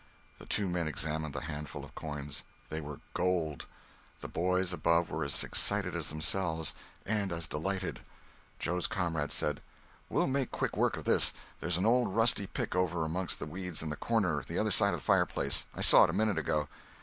The two men examined the handful of coins. They were gold. The boys above were as excited as themselves, and as delighted. Joe's comrade said: "We'll make quick work of this. There's an old rusty pick over amongst the weeds in the corner the other side of the fireplace—I saw it a minute ago."